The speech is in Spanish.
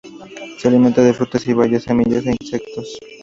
Se alimenta de frutas, bayas, semillas e insectos.